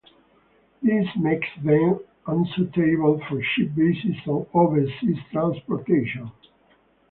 This makes them unsuitable for ship-based overseas transportation.